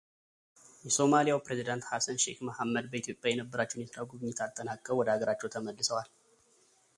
የሶማሊያው ፕሬዚዳንት ሐሰን ሼክ መሐመድ በኢትዮጵያ የነበራቸውን የሥራ ጉብኝት አጠናቅቀው ወደ ሀገራቸው ተመልሰዋል፡፡